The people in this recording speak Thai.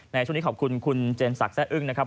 ในช่วงนี้ขอบคุณคุณเจนศักดิแซ่อึ้งนะครับ